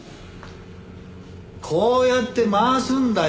こうやって回すんだよ